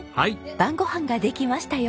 晩ご飯ができましたよ。